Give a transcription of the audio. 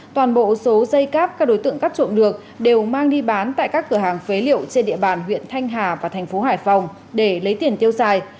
toàn bộ số dây cáp các đối tượng cắt trộm được đều mang đi bán tại các cửa hàng phế liệu trên địa bàn huyện thanh hà và thành phố hải phòng để lấy tiền tiêu xài